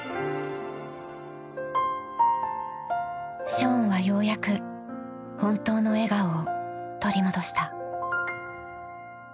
［ショーンはようやく本当の笑顔を取り戻した］